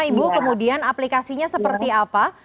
ibu kemudian aplikasinya seperti apa